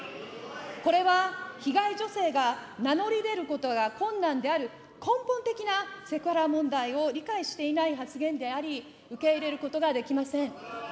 これは被害女性が名乗り出ることが困難である根本的なセクハラ問題を理解していない発言であり、受け入れることができません。